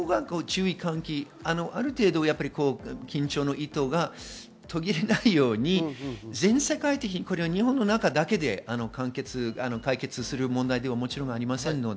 そこがある程度、緊張の糸が途切れないように全世界的に日本の中だけで解決する問題ではありません。